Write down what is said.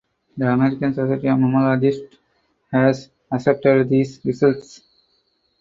The American Society of Mammalogists has accepted these results.